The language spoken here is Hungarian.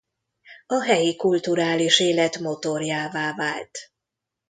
A helyi kulturális élet motorjává vált.